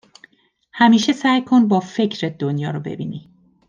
همیشه سعی کن با فکرت دنیا رو ببینی